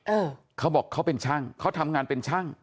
เออเขาบอกเขาเป็นช่างเขาทำงานเป็นช่าง